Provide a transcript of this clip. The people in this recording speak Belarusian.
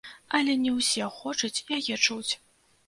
Але не ўсе хочуць яе чуць.